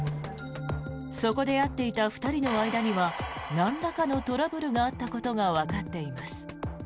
そこで会っていた２人の間にはなんらかのトラブルがあったことがわかっています。